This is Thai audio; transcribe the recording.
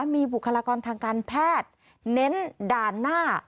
มีบุคลากรทางการแพทย์เน้นด่านหน้า